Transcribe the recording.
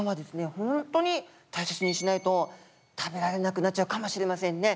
ほんとに大切にしないと食べられなくなっちゃうかもしれませんね。